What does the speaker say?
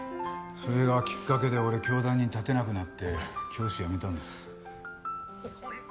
それがきっかけで俺教壇に立てなくなって教師辞めたんです。